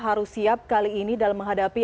harus siap kali ini dalam menghadapi